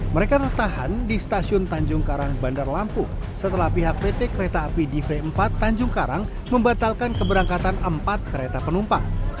mereka tertahan di stasiun tanjung karang bandar lampung setelah pihak pt kereta api divre empat tanjung karang membatalkan keberangkatan empat kereta penumpang